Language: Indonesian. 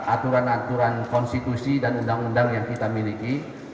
aturan aturan konstitusi dan undang undang yang kita miliki